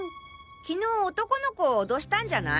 きのう男の子を脅したんじゃない？